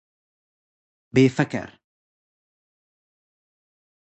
بیفکر